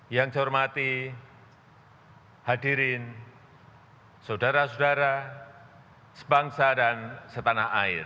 yang saya hormati hadirin saudara saudara sebangsa dan setanah air